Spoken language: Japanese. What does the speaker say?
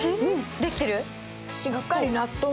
できてる？